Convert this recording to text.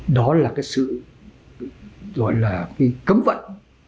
đó là cái sự gọi là cái cấm vận